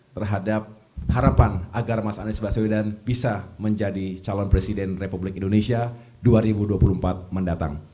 terhadap harapan agar mas anies baswedan bisa menjadi calon presiden republik indonesia dua ribu dua puluh empat mendatang